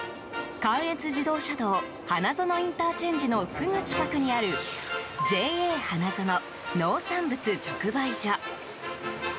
関越自動車道花園ＩＣのすぐ近くにあるＪＡ花園農産物直売所。